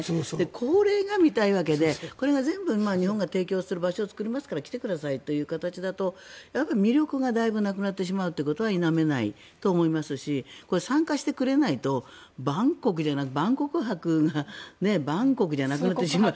これが見たいわけでこれが全部、日本が提供する場所を作りますから来てくださいという形だと魅力がだいぶなくなってしまうことは否めないと思いますしこれ、参加してくれないと万国博が万国じゃなくなってしまう。